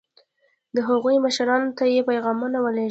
د هغوی مشرانو ته یې پیغامونه ولېږل.